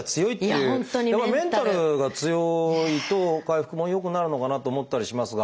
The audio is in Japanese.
やっぱりメンタルが強いと回復も良くなるのかなと思ったりしますが。